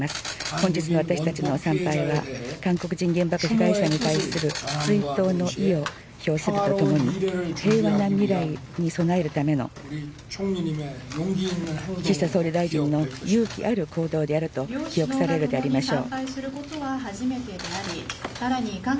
本日の私たちの参拝は、韓国人原爆被害者に対する追悼の意を表するとともに、平和な未来に備えるための、岸田総理大臣の勇気ある行動であると記憶されるでありましょう。